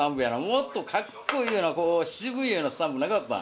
もっとかっこいいようなこう渋いようなスタンプなかった？